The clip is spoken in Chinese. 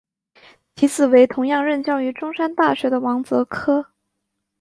其子为同样任教于中山大学的王则柯。